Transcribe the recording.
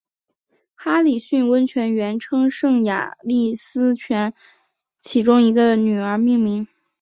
哈里逊温泉原称圣雅丽斯泉其中一个女儿命名。